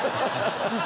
ハハハ！